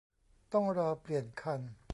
ต้องรอเปลี่ยนคัน